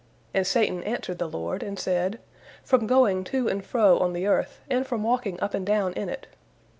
and Satan answered the Lord, and said, "From going to and fro on the earth, and from walking up and down in it."